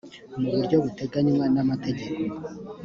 mu buryo buteganywa n amategeko